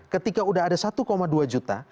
ketika sudah ada satu dua juta